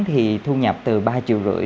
thì thu nhập từ ba triệu rưỡi